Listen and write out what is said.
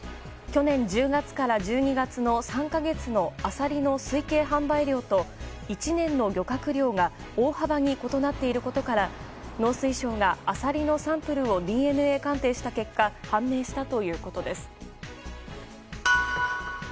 去年１０月から１２月の３か月のアサリの推計販売量と１年の漁獲量が大幅に異なっていることから農水省がアサリのサンプルをＤＮＡ鑑定した結果判明したということです。